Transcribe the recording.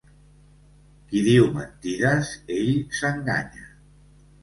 Qui diu mentides, ell s'enganya.